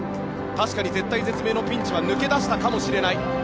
確かに絶体絶命のピンチは抜け出したかもしれない。